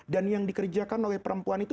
dan yang dikerjakan oleh perempuan itu